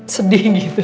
sedih gitu ya